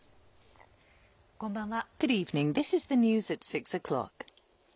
こんばんは。